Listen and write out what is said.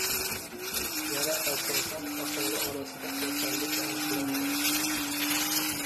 Yana asosan aholi orasida kasallik aniqlandi